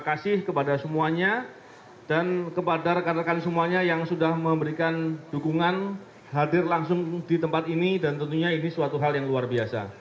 terima kasih kepada semuanya dan kepada rekan rekan semuanya yang sudah memberikan dukungan hadir langsung di tempat ini dan tentunya ini suatu hal yang luar biasa